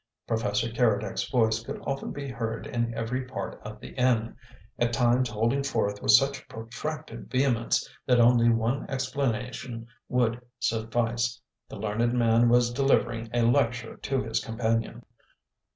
Professor Keredec's voice could often be heard in every part of the inn; at times holding forth with such protracted vehemence that only one explanation would suffice: the learned man was delivering a lecture to his companion.